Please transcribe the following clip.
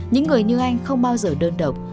những người như anh không bao giờ đơn độc